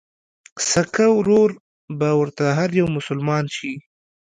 سکه ورور به ورته هر يو مسلمان شي